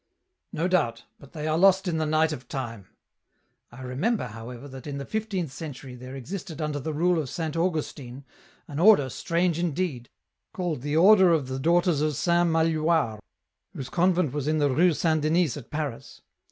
".No doubt, but they are lost in the night of time. I remember, however, that in the fifteenth century there existed under the rule of Saint Augustine an order strange indeed, called the Order of the Daughters of Saint Magloire, whose convent was in the Rue Saint Denys at Paris.